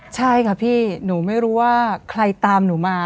ใช่ค่ะพี่หนูไม่รู้ว่าใครตามหนูมา